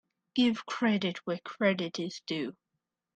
Give credit where credit is due.